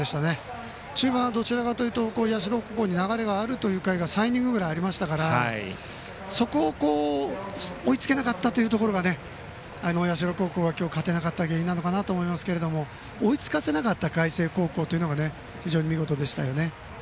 中盤はどちらかいうと社高校に流れがあるという回が３イニングぐらいありましたからそこが追いつけなかったというところが今日勝てなかった原因かと思いますが追いつかせなかった海星高校が見事でした。